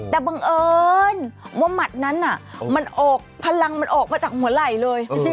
แต่บังเอิญว่าหมัดนั้นมันออกพลังมันออกมาจากหัวไหล่เลย